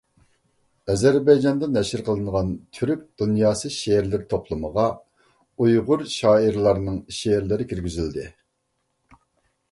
ئەزەربەيجاندا نەشر قىلىنغان «تۈرك دۇنياسى شېئىرلىرى توپلىمى»غا ئۇيغۇر شائىرلارنىڭ شېئىرلىرى كىرگۈزۈلدى.